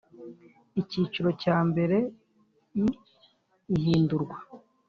Icyiciro cya mbere i Ihindurwa